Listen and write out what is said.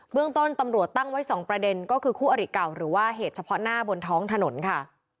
เรื่องต้นตำรวจตั้งไว้๒ประเด็นก็คือคู่อริเก่าหรือว่าเหตุเฉพาะหน้าบนท้องถนนค่ะ